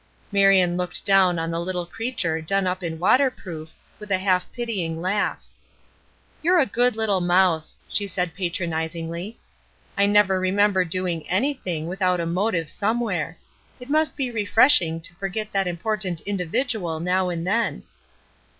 Marion looked down on the little creature done up in water proof, with a half pitying laugh. "You are a good little mouse," she said patronizingly. "I never remember doing anything without a motive somewhere. It must be refreshing to forget that important individual now and then."